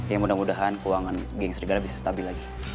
ya mudah mudahan keuangan geng serigala bisa stabil lagi